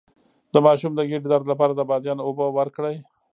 د ماشوم د ګیډې درد لپاره د بادیان اوبه ورکړئ